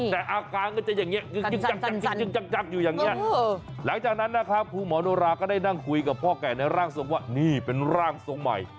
แต่อาการก็จะอย่างนี้ยึกยักยึกยักอยู่อย่างนี้หลังจากนั้นนะครับครูหมอโนราก็ได้นั่งคุยกับพ่อแก่ในร่างทรงว่านี่เป็นร่างทรงใหม่